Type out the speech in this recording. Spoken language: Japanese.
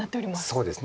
そうですね。